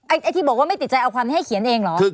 ไอ้ที่บอกว่าไม่ติดใจเอาความนี้ให้เขียนเองเหรอ